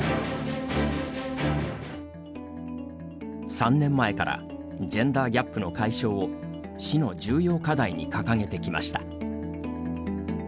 ３年前からジェンダーギャップの解消を市の重要課題に掲げてきました。